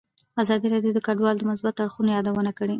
ازادي راډیو د کډوال د مثبتو اړخونو یادونه کړې.